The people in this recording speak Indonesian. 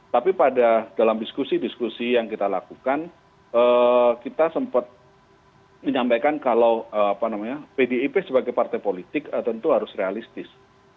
tapi pada dalam diskusi diskusi yang kita lakukan kita sempat menyampaikan kalau pdip sebagai partai politik tentu harus realistis